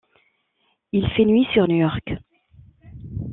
Il fait nuit sur New-York.